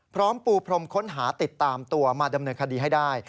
ปูพรมค้นหาติดตามตัวมาดำเนินคดีให้ได้